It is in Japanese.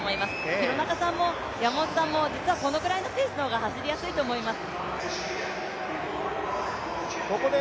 廣中さんも山本さんも実はこのぐらいのペースの方が走りやすいと思います。